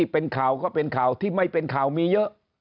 เป็นข่าวก็เป็นข่าวที่ไม่เป็นข่าวมีเยอะ